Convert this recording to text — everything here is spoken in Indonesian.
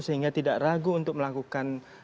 sehingga tidak ragu untuk melakukan